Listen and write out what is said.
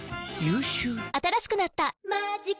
新しくなった「マジカ」